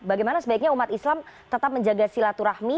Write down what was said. bagaimana sebaiknya umat islam tetap menjaga silaturahmi